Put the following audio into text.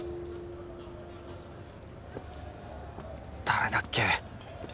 誰だっけ？